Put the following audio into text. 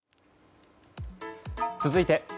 続いて。